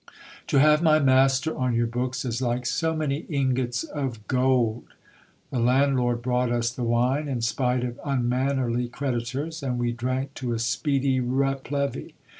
To have my master on your books is like so many ingots of gold." The landlord brought us the wine, in spite of unmannerly creditors ; and we drank to a speedy replevy.